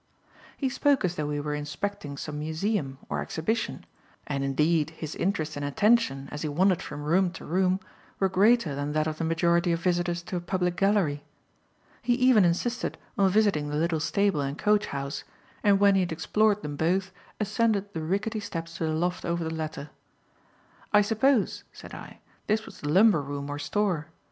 He spoke as though we were inspecting some museum or exhibition, and, indeed, his interest and attention, as he wandered from room to room, were greater than that of the majority of visitors to a public gallery. He even insisted on visiting the little stable and coachhouse, and when he had explored them both, ascended the ricketty steps to the loft over the latter. "I suppose," said I, "this was the lumber room or store.